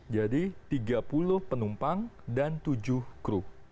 jadi tiga puluh penumpang dan tujuh kru